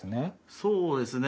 そうですね。